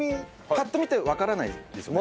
パッと見てわからないですよね。